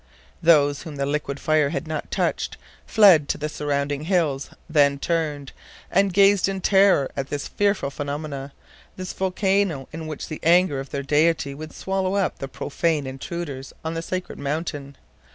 Those whom the liquid fire had not touched fled to the surrounding hills; then turned, and gazed in terror at this fearful phenomenon, this volcano in which the anger of their deity would swallow up the profane intruders on the sacred mountain.